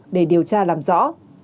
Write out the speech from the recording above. để điều tra làm rõ